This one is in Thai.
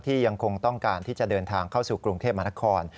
ยังคงต้องการที่จะเดินทางเข้าสู่กรุงเทพมหานคร